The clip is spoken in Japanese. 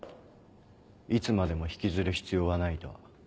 「いつまでも引きずる必要はない」と。